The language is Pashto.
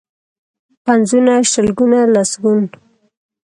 پنځونه، شلګون ، لسګون.